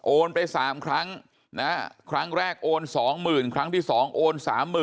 ไป๓ครั้งครั้งแรกโอน๒๐๐๐ครั้งที่๒โอน๓๐๐๐